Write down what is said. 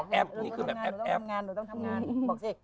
หนูต้องทำงานหนูต้องทำงานบอกสิ